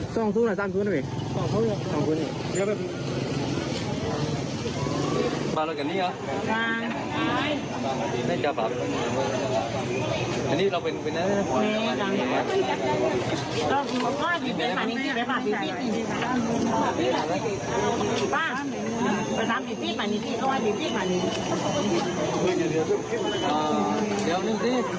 ส่องคุ้นหรือส่องคุ้นส่องคุ้นอย่างนี้